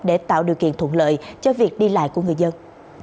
để tạo điều kiện thuận lợi cho việc đi lại của người dân